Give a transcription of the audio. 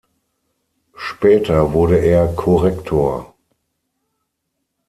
Später wurde er Korrektor.